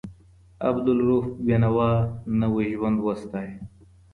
عبدالروف بېنوا نوی ژوند وستایه.